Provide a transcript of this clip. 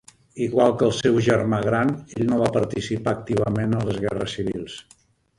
Igual que el seu germà gran, ell no va participar activament en les guerres civils.